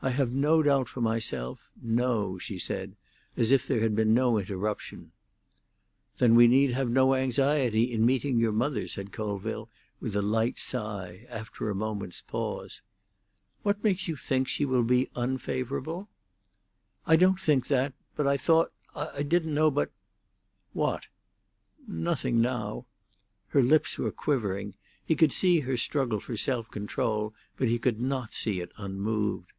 "I have no doubt for myself—no," she said, as if there had been no interruption. "Then we need have no anxiety in meeting your mother," said Colville, with a light sigh, after a moment's pause. "What makes you think she will be unfavourable?" "I don't think that; but I thought—I didn't know but—" "What?" "Nothing, now." Her lips were quivering; he could see her struggle for self control, but he could not see it unmoved.